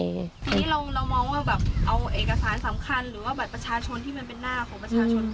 ทีนี้เรามองว่าแบบเอาเอกสารสำคัญหรือว่าแบบประชาชนที่มันเป็นหน้าของประชาชนทั่วไปมาทิ้งอย่างนี้